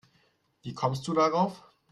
Wie kommst du darauf?